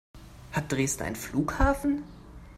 Hat Dresden einen Flughafen?